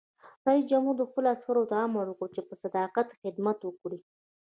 رئیس جمهور خپلو عسکرو ته امر وکړ؛ په صداقت خدمت وکړئ!